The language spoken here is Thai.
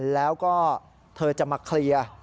แล้วก็เธอจะมาเคลียร์